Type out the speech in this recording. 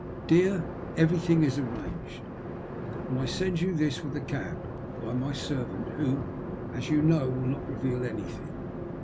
Deab — Everything if arranged, and I send you this, with the cab, by my serrant, who, as you know, will not reveal anything.